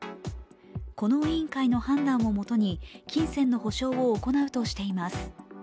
この委員会の判断をもとに、金銭の補償を行うとしています。